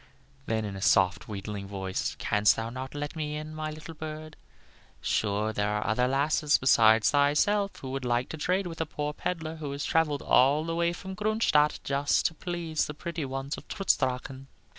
Then, in a soft, wheedling voice, "Canst thou not let me in, my little bird? Sure there are other lasses besides thyself who would like to trade with a poor peddler who has travelled all the way from Gruenstadt just to please the pretty ones of Trutz Drachen."